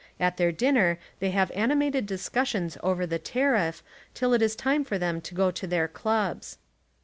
At their dinner they have animated discussions over the tariff till it is time for them to go to their clubs.